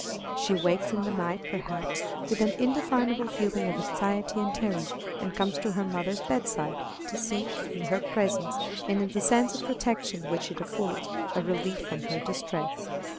She wakes in the night, perhaps, with an indefinable feeling of anxiety and terror, and comes to her mother's bedside, to seek, in her presence, and in the sense of protection which it affords, a relief from her distress.